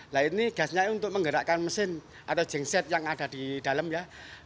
nah ini gasnya untuk menggerakkan mesin atau jengset yang ada di dalam ya